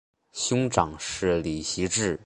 兄长是李袭志。